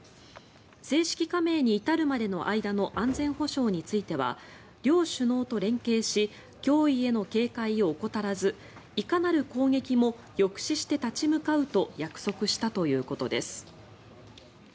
正式加盟に至るまでの間の安全保障については両首脳と連携し脅威への警戒を怠らずいかなる攻撃も抑止して立ち向かうと約束したということです。